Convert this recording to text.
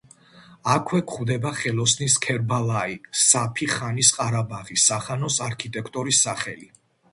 აქვე გვხდება ხელოსნის ქერბალაი საფი ხანის ყარაბაღის სახანოს არქიტექტორის სახელი.